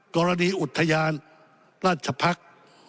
กรณีอุทยานราชพักษ์